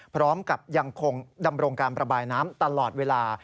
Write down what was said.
พร้อมกับยังคงดำรงการประบายน้ำตลอดเวลา